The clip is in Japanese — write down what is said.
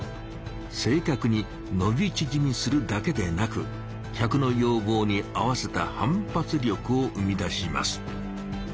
せいかくにのびちぢみするだけでなく客の要望に合わせた反発力を生み出します。